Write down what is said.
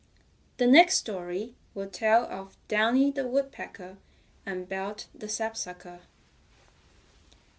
The next story will tell of Downy the Woodpecker and Belt the Sapsucker.